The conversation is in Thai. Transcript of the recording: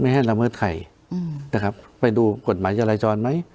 ไม่ให้ละเมิดใครอืมนะครับไปดูกฎหมายยาลายจรไหม